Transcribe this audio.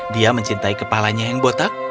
dia mencintai kepalanya yang botak